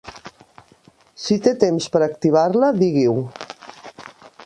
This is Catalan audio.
Si té temps per activar-la, digui-ho.